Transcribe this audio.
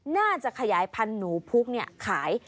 น่าจะขยายพันธุ์หนูพุกขาย